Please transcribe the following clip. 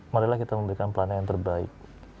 marilah kita memberikan pelayanan yang terbaik